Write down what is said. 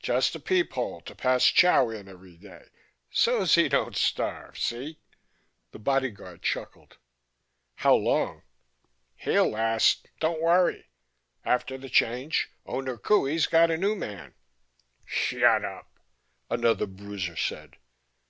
Just a peep hole to pass chow in every day ... so's he don't starve, see?" The bodyguard chuckled. "How long ?" "He'll last; don't worry. After the Change, Owner Qohey's got a newman " "Shut up," another bruiser said.